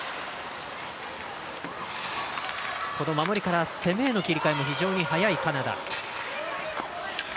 守りから攻めへの切り替えも非常に早いカナダ。